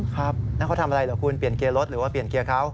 ครับแล้วเขาทำอะไรเหรอคุณเปลี่ยนเกียร์รถหรือว่าเปลี่ยนเกียร์เขา